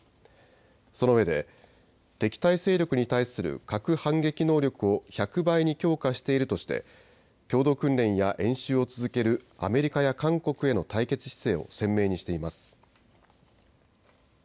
そのうえで敵対勢力に対する核反撃能力を１００倍に強化しているとして共同訓練や演習を続けるアメリカや韓国への対決姿勢を鮮明にしています。